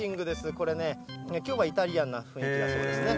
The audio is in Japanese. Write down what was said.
これね、きょうはイタリアンな雰囲気だそうですね。